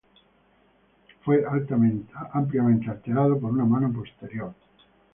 Fue ampliamente alterado por una mano posterior.